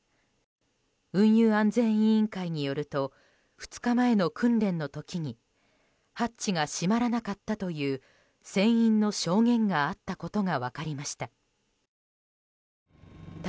運輸安全委員会によると２日前の訓練の時にハッチが閉まらなかったという船員の証言があったことが分かりました。